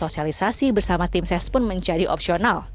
sosialisasi bersama tim ses pun menjadi opsional